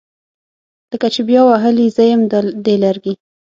لکه چې بیا وهلي زیم دي لرګي